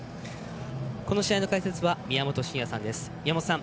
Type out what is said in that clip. この試合の解説は宮本慎也さんです。